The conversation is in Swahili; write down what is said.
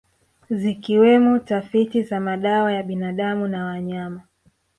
Zikiwemo tafiti za madawa ya binadamu na wanyama